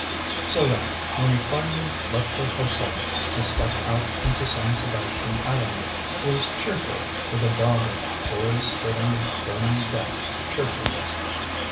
So that, when he finally left the hotel and stepped out into San Sebastian Avenue, he was cheerful with a dogged, boy stood on the burning deck cheerfulness.